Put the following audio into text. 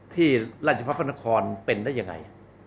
ที่ราชพัฒพระนครเป็นได้ยังไง